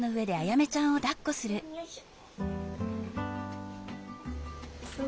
よいしょ。